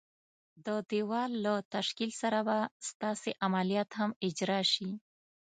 د دېوال له تشکیل سره به ستاسي عملیات هم اجرا شي.